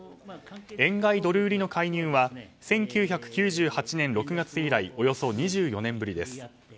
円買いドル売りの介入は１９９８年６月以来およそ２４年ぶりです。